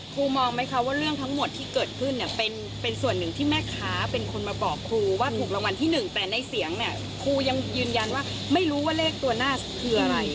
ครูมองไหมคะว่าเรื่องทั้งหมดที่เกิดขึ้นเนี่ยเป็นส่วนหนึ่งที่แม่ค้าเป็นคนมาบอกครูว่าถูกรางวัลที่หนึ่งแต่ในเสียงเนี่ยครูยังยืนยันว่าไม่รู้ว่าเลขตัวหน้าคืออะไร